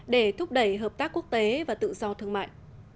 và hợp tác quốc tế và tự do thương mại